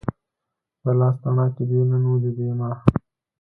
د لاس تڼاکې دې نن ولیدې ما